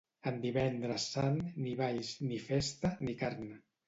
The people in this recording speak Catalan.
En Divendres Sant, ni balls, ni festa, ni carn.